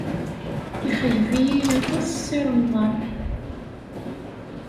Ixeyyeb-iyi aṭas Si Remḍan.